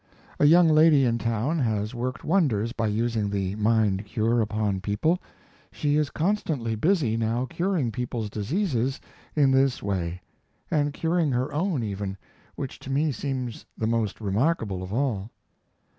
A young lady in town has worked wonders by using the "mind cure" upon people; she is constantly busy now curing peoples' diseases in this way and curing her own, even, which to me seems the most remarkable of all.